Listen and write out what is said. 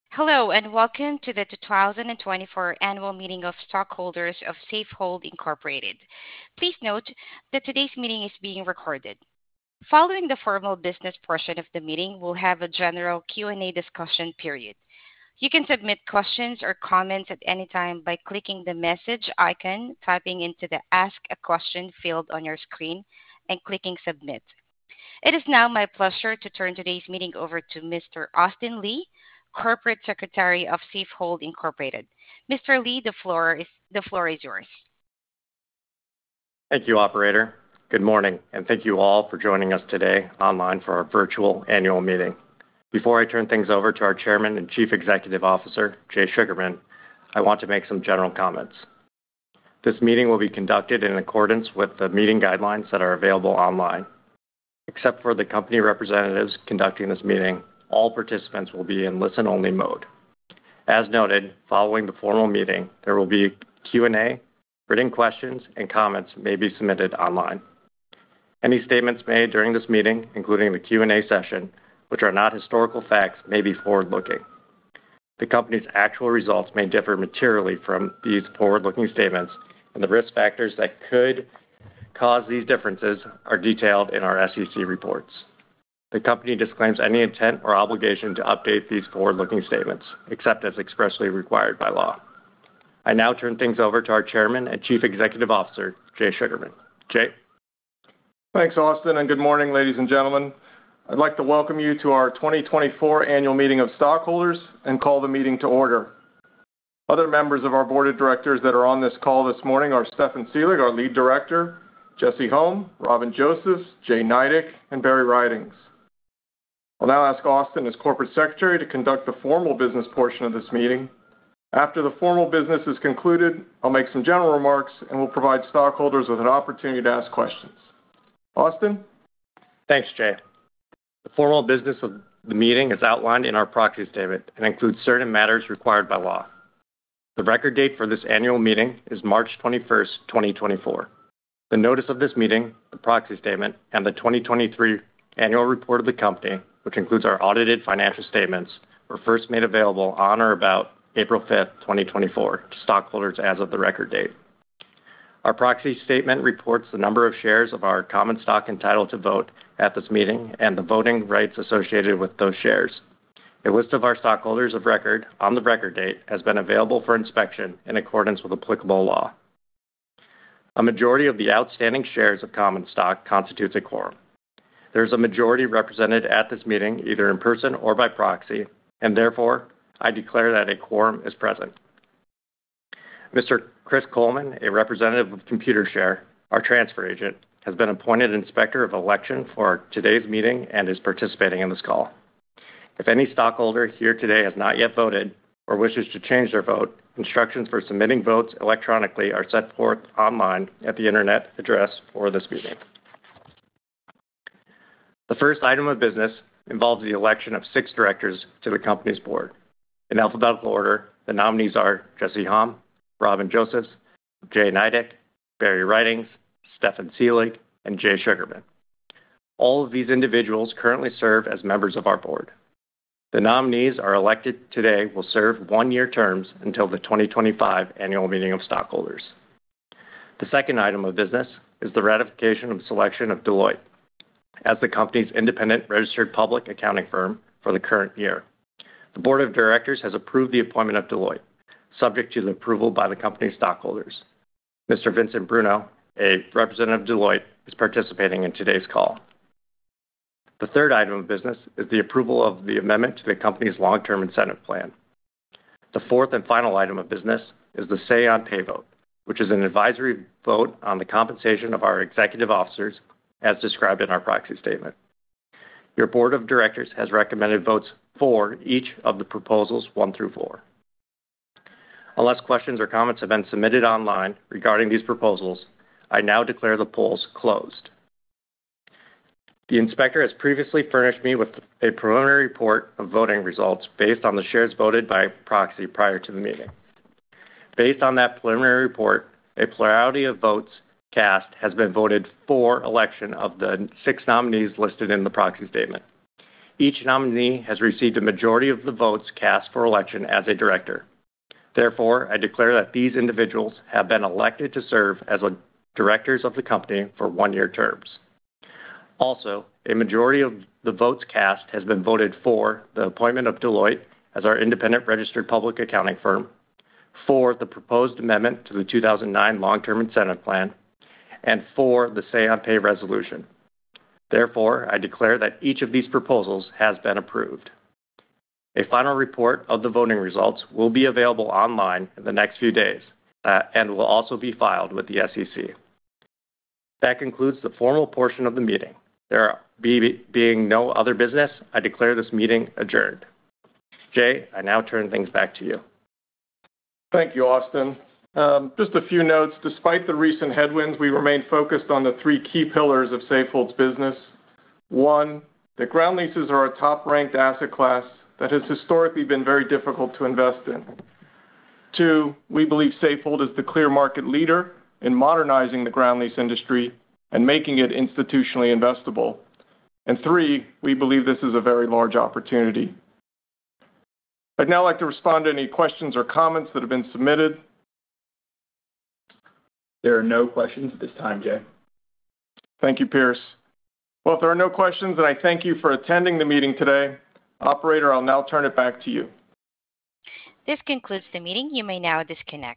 Hello, and welcome to the 2024 Annual Meeting of Stockholders of Safehold Incorporated. Please note that today's meeting is being recorded. Following the formal business portion of the meeting, we'll have a general Q&A discussion period. You can submit questions or comments at any time by clicking the message icon, typing into the Ask a Question field on your screen, and clicking Submit. It is now my pleasure to turn today's meeting over to Mr. Austin Lee, Corporate Secretary of Safehold Incorporated. Mr. Lee, the floor is yours. Thank you, operator. Good morning, and thank you all for joining us today online for our virtual annual meeting. Before I turn things over to our Chairman and Chief Executive Officer, Jay Sugarman, I want to make some general comments. This meeting will be conducted in accordance with the meeting guidelines that are available online. Except for the company representatives conducting this meeting, all participants will be in listen-only mode. As noted, following the formal meeting, there will be Q&A. Written questions and comments may be submitted online. Any statements made during this meeting, including the Q&A session, which are not historical facts, may be forward-looking. The company's actual results may differ materially from these forward-looking statements, and the risk factors that could cause these differences are detailed in our SEC reports. The company disclaims any intent or obligation to update these forward-looking statements, except as expressly required by law. I now turn things over to our Chairman and Chief Executive Officer, Jay Sugarman. Jay? Thanks, Austin, and good morning, ladies and gentlemen. I'd like to welcome you to our 2024 Annual Meeting of Stockholders and call the meeting to order. Other members of our board of directors that are on this call this morning are Stefan Selig, our Lead Director, Jesse Hom, Robin Josephs, Jay Nydick, and Barry Ridings. I'll now ask Austin, as Corporate Secretary, to conduct the formal business portion of this meeting. After the formal business is concluded, I'll make some general remarks, and we'll provide stockholders with an opportunity to ask questions. Austin? Thanks, Jay. The formal business of the meeting is outlined in our proxy statement and includes certain matters required by law. The record date for this annual meeting is March 21, 2024. The notice of this meeting, the proxy statement, and the 2023 Annual Report of the company, which includes our audited financial statements, were first made available on or about April 5, 2024, to stockholders as of the record date. Our proxy statement reports the number of shares of our common stock entitled to vote at this meeting and the voting rights associated with those shares. A list of our stockholders of record on the record date has been available for inspection in accordance with applicable law. A majority of the outstanding shares of common stock constitutes a quorum. There's a majority represented at this meeting, either in person or by proxy, and therefore, I declare that a quorum is present. Mr. Chris Coleman, a representative of Computershare, our transfer agent, has been appointed Inspector of Election for today's meeting and is participating in this call. If any stockholder here today has not yet voted or wishes to change their vote, instructions for submitting votes electronically are set forth online at the internet address for this meeting. The first item of business involves the election of six directors to the company's board. In alphabetical order, the nominees are Jesse Hom, Robin Josephs, Jay Nydick, Barry Ridings, Stefan Selig, and Jay Sugarman. All of these individuals currently serve as members of our board. The nominees are elected today will serve one-year terms until the 2025 Annual Meeting of Stockholders. The second item of business is the ratification of selection of Deloitte as the company's independent registered public accounting firm for the current year. The board of directors has approved the appointment of Deloitte, subject to the approval by the company's stockholders. Mr. Vincent Bruno, a representative of Deloitte, is participating in today's call. The third item of business is the approval of the amendment to the company's long-term incentive plan. The fourth and final item of business is the Say on Pay vote, which is an advisory vote on the compensation of our executive officers, as described in our proxy statement. Your board of directors has recommended votes for each of the proposals one through four. Unless questions or comments have been submitted online regarding these proposals, I now declare the polls closed. The inspector has previously furnished me with a preliminary report of voting results based on the shares voted by proxy prior to the meeting. Based on that preliminary report, a plurality of votes cast has been voted for election of the six nominees listed in the proxy statement. Each nominee has received a majority of the votes cast for election as a director. Therefore, I declare that these individuals have been elected to serve as directors of the company for one-year terms. Also, a majority of the votes cast has been voted for the appointment of Deloitte as our independent registered public accounting firm, for the proposed amendment to the 2009 Long-Term Incentive Plan, and for the Say on Pay resolution. Therefore, I declare that each of these proposals has been approved. A final report of the voting results will be available online in the next few days, and will also be filed with the SEC. That concludes the formal portion of the meeting. There being no other business, I declare this meeting adjourned. Jay, I now turn things back to you. Thank you, Austin. Just a few notes. Despite the recent headwinds, we remain focused on the three key pillars of Safehold's business. One, the ground leases are our top-ranked asset class that has historically been very difficult to invest in. Two, we believe Safehold is the clear market leader in modernizing the ground lease industry and making it institutionally investable. And three, we believe this is a very large opportunity. I'd now like to respond to any questions or comments that have been submitted. There are no questions at this time, Jay. Thank you, Pearce. Well, if there are no questions, then I thank you for attending the meeting today. Operator, I'll now turn it back to you. This concludes the meeting. You may now disconnect.